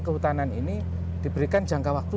kehutanan ini diberikan jangka waktu